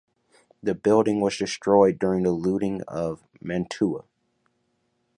The building was destroyed during the Looting of Mantua.